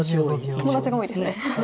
友達が多いですね。